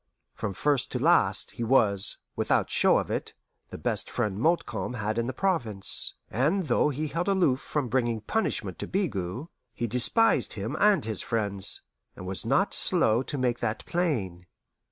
From first to last, he was, without show of it, the best friend Montcalm had in the province; and though he held aloof from bringing punishment to Bigot, he despised him and his friends, and was not slow to make that plain.